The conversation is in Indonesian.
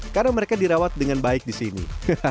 karena mereka dirawat dengan baik di sini